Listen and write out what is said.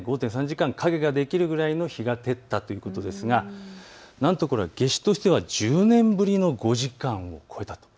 影ができるくらいの日が照ったということですが夏至としては１０年ぶりの５時間を超えたと。